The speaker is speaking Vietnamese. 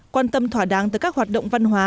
quan tâm thỏa đáng tới các hoạt động văn hóa